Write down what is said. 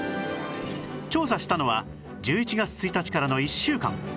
調査したのは１１月１日からの１週間